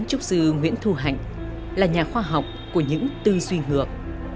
trúc sư nguyễn thu hạnh là nhà khoa học của những tư duy ngược